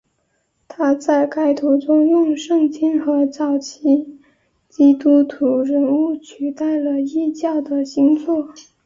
他在该图中用圣经和早期基督徒人物取代了异教的星座。